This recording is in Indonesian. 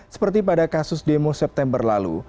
seperti pada kasus demo september lalu